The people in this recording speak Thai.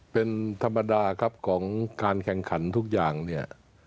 เป็นธรรมดาครับของการแข่งขันทุกอย่างเนี่ย